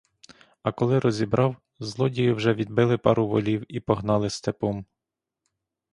А коли розібрав — злодії вже відбили пару волів і погнали степом.